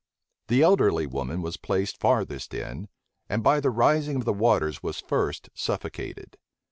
The elderly woman was placed farthest in, and by the rising of the waters was first suffocated.